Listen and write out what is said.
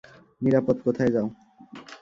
নিরাপদ কোথাও যাও।